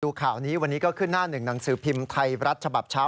ข่าวนี้วันนี้ก็ขึ้นหน้าหนึ่งหนังสือพิมพ์ไทยรัฐฉบับเช้า